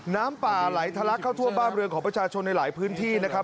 น้ำป่าไหลทะลักเข้าท่วมบ้านเรือนของประชาชนในหลายพื้นที่นะครับ